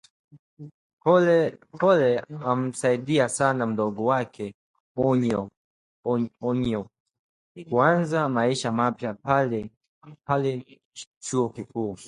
Kole alimsaidia sana mdogo wake Anyoo kuanza maisha mapya pale chuo kikuu